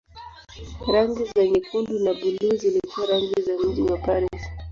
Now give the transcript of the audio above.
Rangi za nyekundu na buluu zilikuwa rangi za mji wa Paris.